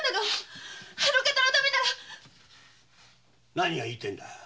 何が言いてぇんだ？